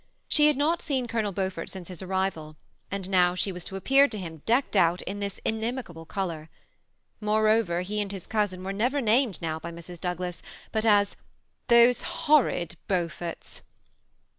She had not seen Colonel Beaufort since his arrival, and now she was to appear to him, decked oat in this inimical color. Moreover, he and his cousin were never named now by Mrs. Douglas but as ^ those horrid Beauforts."